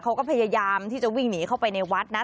เขาก็พยายามที่จะวิ่งหนีเข้าไปในวัดนะ